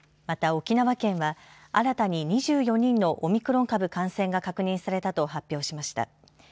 また沖縄県は新たに２４人のオミクロン株感染が確認されたと発表しました。